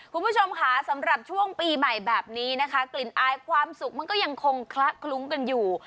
คุณผู้ชมค่ะสำหรับช่วงปีใหม่แบบนี้นะคะกลิ่นอายความสุขมันก็ยังคงคละคลุ้งกันอยู่